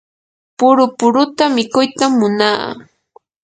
puru puruta mikuytam munaa.